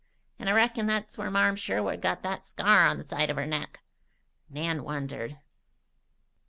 And I reckon that's where Marm Sherwood got that scar on the side of her neck." Nan wondered.